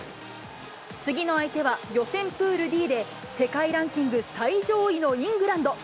次の相手は、予選プールＤで、世界ランキング最上位のイングランド。